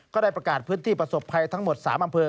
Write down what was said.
ก็ได้ประกาศพื้นที่ประสบภัยทั้งหมด๓อำเภอ